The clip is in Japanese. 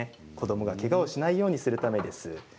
子どもがけがをしないようにするためです。